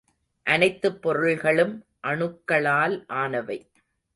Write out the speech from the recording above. அனைத்துப் பொருள்களும் அணுக்களால் ஆனவை.